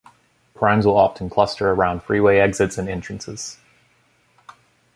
Crimes will often cluster around freeway exits and entrances.